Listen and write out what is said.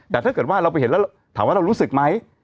แต่ถ้าเกิดว่าเราไปเห็นแล้วถามว่าเรารู้สึกไหม